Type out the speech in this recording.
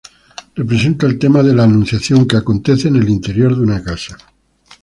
Representa el tema de la anunciación, que acontece en el interior de una casa.